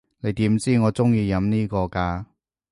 你點知我中意飲呢個㗎？